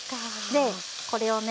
でこれをね